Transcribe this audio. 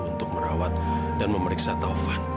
untuk merawat dan memeriksa taufan